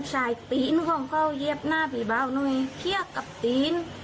สายเปี๊ะ้นเข้าเย็บหน้าพี่เบ้าหน่อยเกี้ยกับเปี๊ะ้น